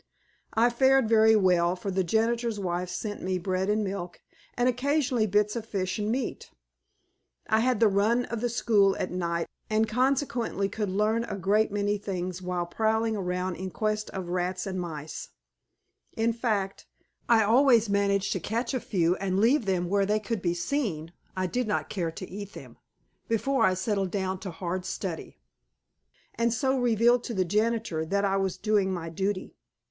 I fared very well, for the janitor's wife sent me bread and milk, and occasionally bits of fish and meat. I had the run of the school at night and consequently could learn a great many things while prowling around in quest of rats and mice; in fact, I always managed to catch a few and leave them where they could be seen (I did not care to eat them) before I settled down to hard study, and so revealed to the janitor that I was doing my duty.